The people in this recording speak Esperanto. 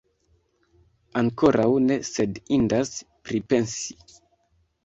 Ankoraŭ ne, sed indas pripensi!